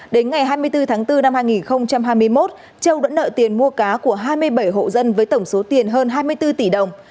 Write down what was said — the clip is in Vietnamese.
đến ngày hai mươi bốn tháng bốn năm hai nghìn hai mươi một châu đã nợ tiền mua cá của hai mươi bảy hộ dân với tổng số tiền hơn hai mươi bốn tỷ đồng